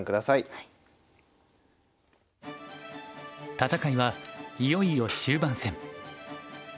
戦いはいよいよ終盤戦。